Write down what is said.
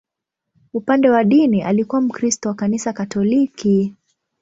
Upande wa dini, alikuwa Mkristo wa Kanisa Katoliki.